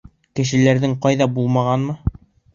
Кешеләрҙең ҡайҙа булғанынмы?